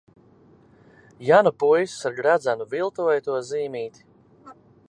Ja nu puisis ar gredzenu viltoja to zīmīti?